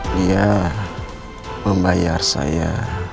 dia membayar saya